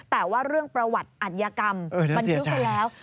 แต่ว่าเรื่องประวัติอัธยกรรมบันทึกไปแล้ว